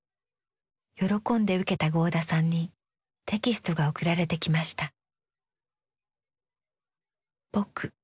喜んで受けた合田さんにテキストが送られてきました。